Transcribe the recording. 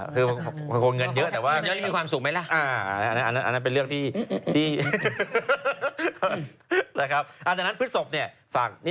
แต่เงินอาทิตย์ดีแต่ข่าวไม่ดี